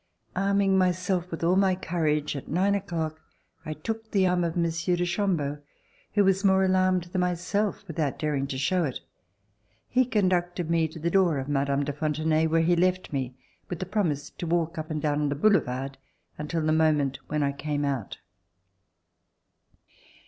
Arming myself with all my courage, at nine o'clock I took the arm of Monsieur de Chambeau, who was more alarmed than myself, without daring to show it. He conducted me to the door of Mme. de Fontenay where he left me with the promise to walk up and down on the boulevard until the moment when I came out.